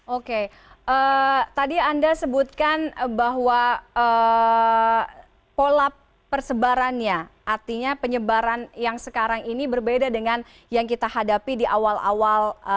oke tadi anda sebutkan bahwa pola persebarannya artinya penyebaran yang sekarang ini berbeda dengan yang kita hadapi di awal awal